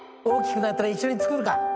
大きくなったら一緒に作るか。